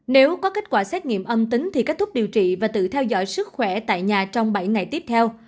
nếu có kết quả xét nghiệm âm tính thì kết thúc điều trị và tự theo dõi sức khỏe tại nhà trong bảy ngày tiếp theo